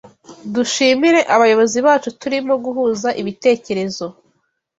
Dushimire abayobozi bacu turimo guhuza ibitekerezo